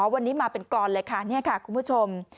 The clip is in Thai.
วันนี้มาเป็นกรอนเลยค่ะนี่ค่ะคุณผู้ชม